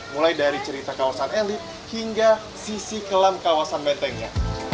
mulai dari cerita kawasan elit hingga sisi kelam kawasan bentengnya